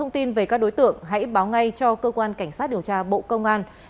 xin chào các bạn